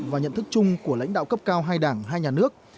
và nhận thức chung của lãnh đạo cấp cao hai đảng hai nhà nước